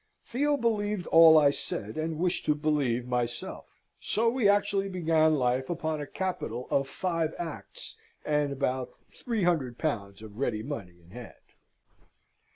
Theo believed all I said and wished to believe myself. So we actually began life upon a capital of Five Acts, and about three hundred pounds of ready money in hand!